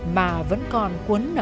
mà vẫn có một đoạn băng keo